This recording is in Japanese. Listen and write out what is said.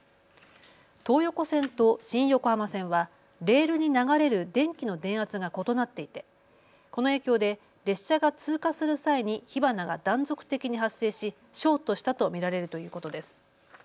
東横線と新横浜線はレールに流れる電気の電圧が異なっていてこの影響で列車が通過する際に火花が断続的に発生しショートしたと見られるということです。